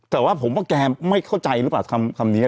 แต่ว่าผมว่าแกไม่เข้าใจหรือเปล่าคำนี้